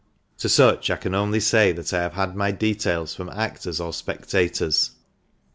To such I can only say that I have had my details from actors or spectators.